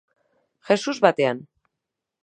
Jesus batean